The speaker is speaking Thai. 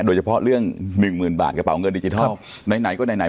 โดยเฉพาะเรื่องหนึ่งหมื่นบาทกระเป๋าเงินดิจิทัลไหนไหนก็ไหนไหน